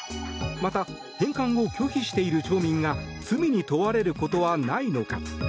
また、返還を拒否している町民が罪に問われることはないのか。